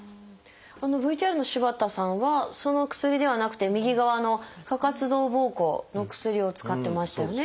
ＶＴＲの柴田さんはその薬ではなくて右側の過活動ぼうこうの薬を使ってましたよね。